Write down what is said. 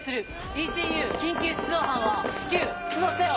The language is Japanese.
ＥＣＵ緊急出動班は至急出動せよ！